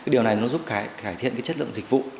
điều này giúp cải thiện chất lượng dịch vụ